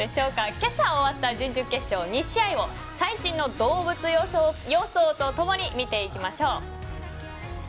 今朝、終わった準々決勝２試合を最新の動物予想と共に見ていきましょう。